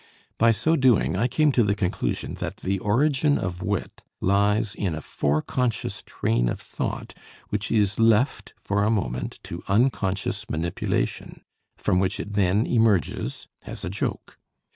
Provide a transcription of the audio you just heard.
By so doing I came to the conclusion that the origin of wit lies in a foreconscious train of thought which is left for a moment to unconscious manipulation, from which it then emerges as a joke.